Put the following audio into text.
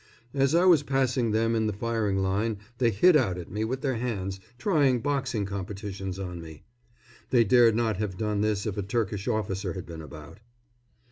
As I was passing them in the firing line they hit out at me with their hands, trying boxing competitions on me. They dared not have done this if a Turkish officer had been about.